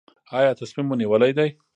ایا تصمیم مو نیولی دی؟